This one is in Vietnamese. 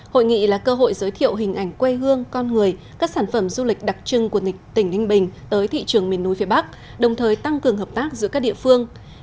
hội nghị là cơ hội giới thiệu hình ảnh quê hương con người các sản phẩm du lịch đặc trưng của tỉnh ninh bình tới thị trường miền núi phía bắc đồng thời tăng cường hợp tác giữa các địa phương